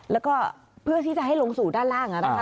แล้วก็เพื่อที่จะให้ลงสู่ด้านล่างนะคะ